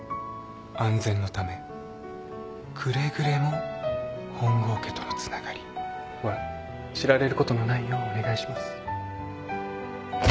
安全のためくれぐれも「本郷家とのつながり」は知られることのないようお願いします。